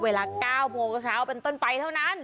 เวลา๙โมงเช้าเป็นต้นไปเท่านั้น